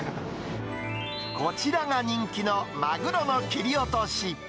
こちらが人気のマグロの切り落とし。